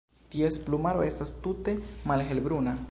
Ties plumaro estas tute malhelbruna.